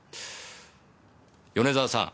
米沢さん